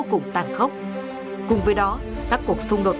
vẫn vô cùng tàn khốc cùng với đó các cuộc xung đột